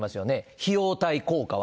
費用対効果は？